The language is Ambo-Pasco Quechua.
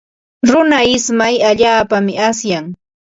Runa ismay allaapaqmi asyan.